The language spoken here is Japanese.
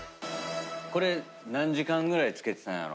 これ何時間ぐらい漬けてたんやろ？